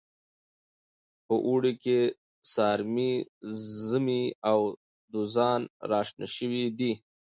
په اواړه کې سارمې، زمۍ او دوزان راشنه شوي دي.